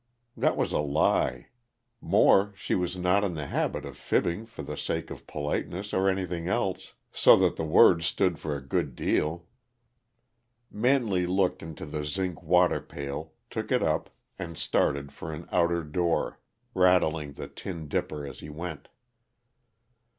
That was a lie; more, she was not in the habit of fibbing for the sake of politeness or anything else, so that the words stood for a good deal. Manley looked into the zinc water pail, took it up, and started for an outer door, rattling the tin dipper as he went.